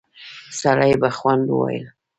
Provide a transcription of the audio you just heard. سړي په خوند وويل: